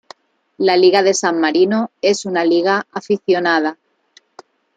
La Liga de San Marino es una liga aficionada.